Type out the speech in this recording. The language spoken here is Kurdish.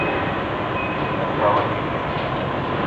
Min bawer kiriye.